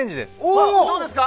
どうですか？